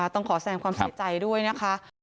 ต้องขอแสงความเสียใจด้วยนะคะ